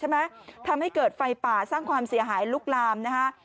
ทำให้เกิดไฟป่าสร้างความเสียหายลุกลามนะฮะ